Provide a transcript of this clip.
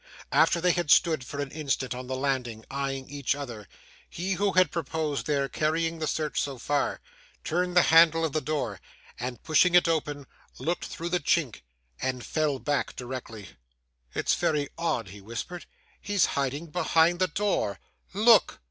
After they had stood for an instant, on the landing, eyeing each other, he who had proposed their carrying the search so far, turned the handle of the door, and, pushing it open, looked through the chink, and fell back directly. 'It's very odd,' he whispered, 'he's hiding behind the door! Look!